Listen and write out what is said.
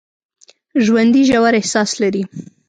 ژوندي ژور احساس لري